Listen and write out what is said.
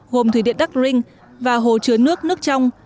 gồm thủy điện đắc rinh và hồ chứa nước nước trong